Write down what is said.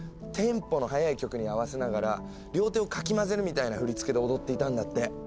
テンポの速い曲に合わせながら両手をかき混ぜるみたいな振り付けで踊っていたんだって。